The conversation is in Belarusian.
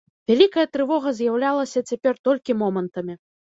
Вялікая трывога з'яўлялася цяпер толькі момантамі.